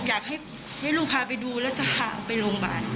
อยากให้ลูกพาไปดูแล้วจะพาไปโรงพยาบาล